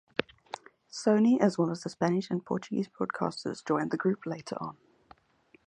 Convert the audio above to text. Sony as well as the Spanish and Portuguese broadcasters joined the group later on.